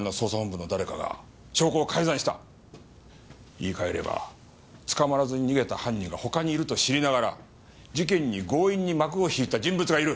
言い変えればつかまらずに逃げた犯人が他にいると知りながら事件に強引に幕を引いた人物がいる！